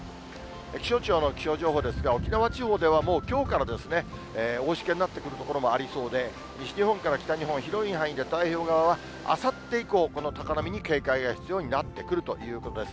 気象庁の気象情報ですが、沖縄地方では、もうきょうから、大しけになってくる所もありそうで、西日本から北日本、広い範囲で太平洋側は、あさって以降、この高波に警戒が必要になってくるということです。